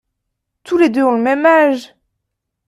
Toutes les deux ont le même âge !